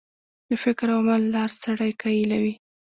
د فکر او عمل لار سړی قایلوي.